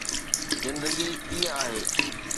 زندگي ڪيئن آهي